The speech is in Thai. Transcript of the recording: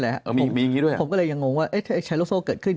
แล้วมีแบบนี้ด้วยออกก็เลยยังโงงว่าถ้าไอ้แชร์รุกโซ่เกิด